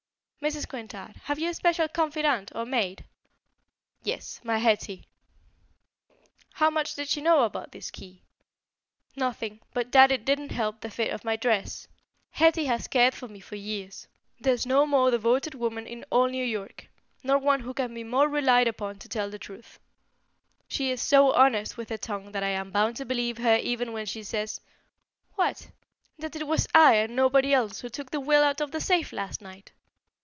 "Mrs. Quintard, have you a special confidant or maid?" "Yes, my Hetty." "How much did she know about this key?" "Nothing, but that it didn't help the fit of my dress. Hetty has cared for me for years. There's no more devoted woman in all New York, nor one who can be more relied upon to tell the truth. She is so honest with her tongue that I am bound to believe her even when she says " "What?" "That it was I and nobody else who took the will out of the safe last night.